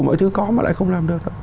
mọi thứ có mà lại không làm được